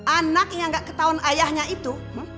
anak yang gak ketahuan ayahnya itu